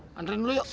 ngantriin dulu yuk